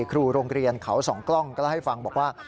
ครูโรงเรียนเขาสองกล้องก็เล่าให้ฟังบอกว่า